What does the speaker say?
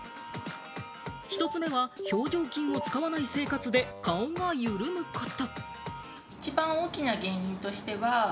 １つ目は表情筋を使わない生活で顔が緩むこと。